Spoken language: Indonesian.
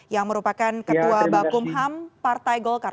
yang merupakan ketua bakum ham partai golkar